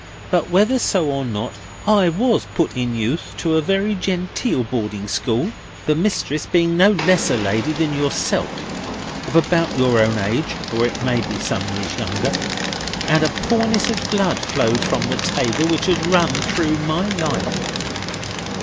But whether so or not, I was put in youth to a very genteel boarding school, the mistress being no less a lady than yourself, of about your own age or it may be some years younger, and a poorness of blood flowed from the table which has run through my life."